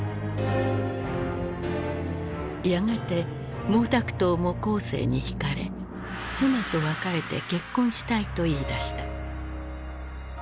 やがて毛沢東も江青に惹かれ妻と別れて結婚したいと言いだした。